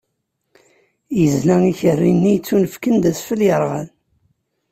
Izla ikerri-nni yettunefken d asfel yerɣan.